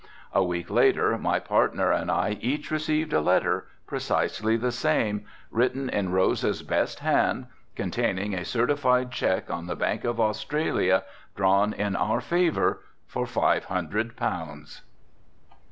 A week later my partner and I each received a letter, precisely the same, written in Rosa's best hand, containing a certified cheque on the Bank of Australia, drawn in our favor, for five hundred pounds.